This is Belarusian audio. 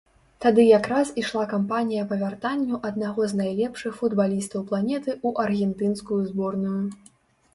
Тады якраз ішла кампанія па вяртанню аднаго з найлепшых футбалістаў планеты ў аргентынскую зборную.